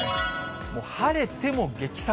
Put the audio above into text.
もう晴れても激寒。